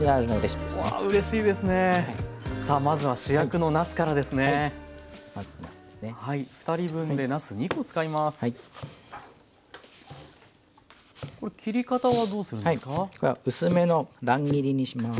はいこれは薄めの乱切りにします。